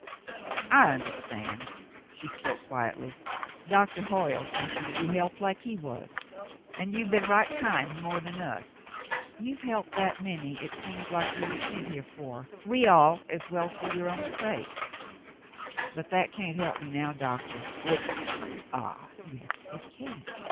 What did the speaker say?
"I understand." She spoke quietly. "Doctor Hoyle sent you to be helped like he was — and you have been right kind to more than us. You've helped that many it seems like you were sent here for we all as well as for your own sake, but that can't help me now. Doctor ; it —" "Ah, yes it can.